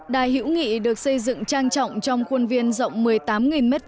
đài hữu nghị được xây dựng trang trọng trong khuôn viên rộng một mươi tám m hai